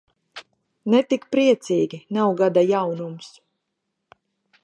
Ne tik priecīgi, nav gada jaunums.